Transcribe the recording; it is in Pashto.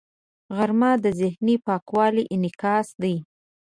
غرمه د ذهني پاکوالي انعکاس دی